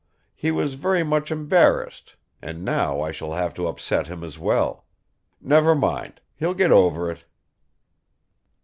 He was very much embarrassed, and now I shall have to upset him as well ... Never mind! He'll get over it."